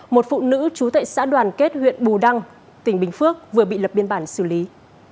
một phụ nữ trú tại xã đoàn kết huyện bù đăng tỉnh bình phước vừa bị lập biên bản xử lý